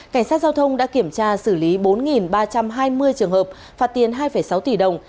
cảnh sát giao thông đã kiểm tra xử lý bốn ba trăm hai mươi trường hợp phạt tiền hai sáu tỷ đồng